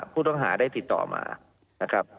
ผู้ต้องหาได้ติดต่อมานะครับ